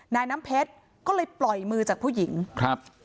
น้ำเพชรก็เลยปล่อยมือจากผู้หญิงครับ